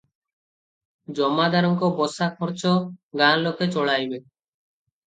"ଜମାଦାରଙ୍କ ବସା ଖର୍ଚ୍ଚ ଗାଁ ଲୋକେ ଚଳାଇବେ ।